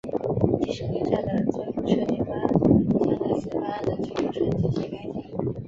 迪士尼站的最后设计方案将在此方案的基础上进行改进。